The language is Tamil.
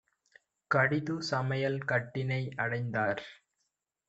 கடிது சமையல் கட்டினை அடைந்தார்.